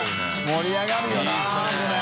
盛り上がるよなこれ。